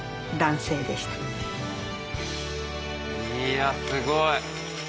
いやすごい。